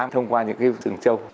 thông qua những sừng trâu